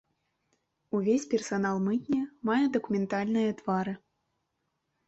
Увесь персанал мытні мае дакументальныя твары.